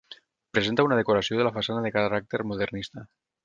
Presenta una decoració de la façana de caràcter modernista.